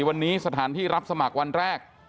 วันนี้สถานที่รับสมัครวันแรก